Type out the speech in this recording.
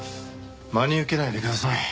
真に受けないでください。